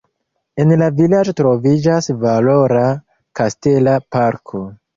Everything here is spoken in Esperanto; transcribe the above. En la vilaĝo troviĝas valora kastela parko.